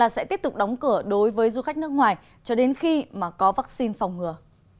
sẽ tiếp tục đóng cửa đối với du khách nước ngoài cho đến khi mà có vaccine phòng ngừa